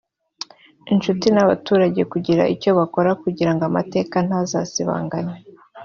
inshuti n’abaturage kugira icyo bakora kugira ngo amateka ntazasibangane